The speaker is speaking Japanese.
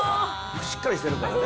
しっかりしてるからね。